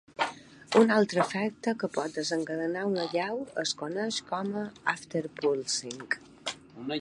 Un altre efecte que pot desencadenar una allau es coneix com "afterpulsing".